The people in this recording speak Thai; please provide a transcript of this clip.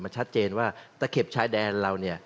ชัดเจนว่าตะเข็บชายแดนเราเนี่ย